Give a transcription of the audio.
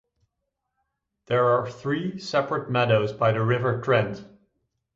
There are three separate meadows by the River Trent.